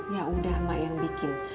ya udah mbak yang bikin